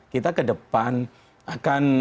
kita ke depan akan